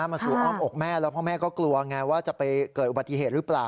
มาสู่อ้อมอกแม่แล้วพ่อแม่ก็กลัวไงว่าจะไปเกิดอุบัติเหตุหรือเปล่า